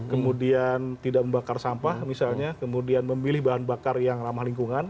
kemudian tidak membakar sampah misalnya kemudian memilih bahan bakar yang ramah lingkungan